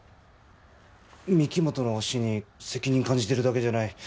御木本の死に責任感じてるだけじゃない